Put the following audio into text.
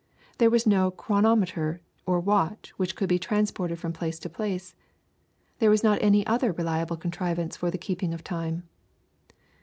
There was no chronometer or watch which could be transported from place to place; there was not any other reliable contrivance for the keeping of time.